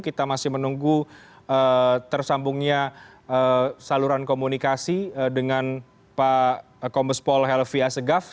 kita masih menunggu tersambungnya saluran komunikasi dengan pak kombespol helvi asegaf